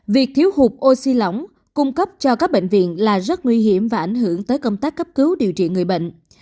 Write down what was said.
việc thiếu hụt oxy lỏng cung cấp cho các bệnh viện là rất nguy hiểm và ảnh hưởng tới công tác cấp cứu điều trị người bệnh